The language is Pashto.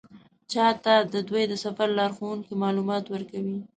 چا ته د دوی د سفر لارښوونکي معلومات ورکوي.